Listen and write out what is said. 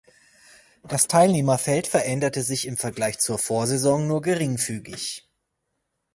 Das Teilnehmerfeld veränderte sich im Vergleich zur Vorsaison nur geringfügig.